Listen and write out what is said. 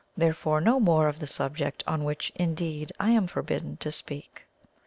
Therefore, no more of the subject, on which, indeed, I am forbidden to speak.